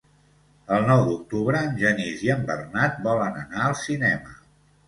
El nou d'octubre en Genís i en Bernat volen anar al cinema.